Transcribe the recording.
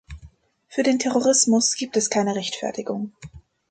Für den Terrorismus gibt es keine Rechtfertigung.